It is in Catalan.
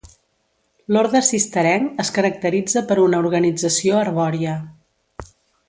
L'orde cistercenc es caracteritza per una organització arbòria.